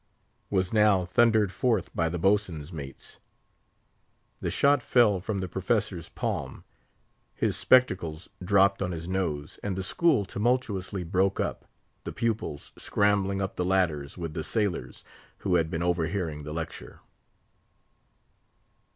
was now thundered forth by the boatswain's mates. The shot fell from the professor's palm; his spectacles dropped on his nose, and the school tumultuously broke up, the pupils scrambling up the ladders with the sailors, who had been overhearing the lecture.